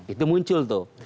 itu muncul tuh